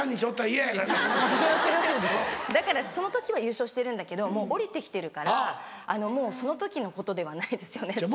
その時は優勝してるんだけどもう下りて来てるからその時のことではないですよね。